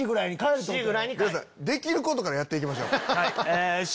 できることからやって行きましょう。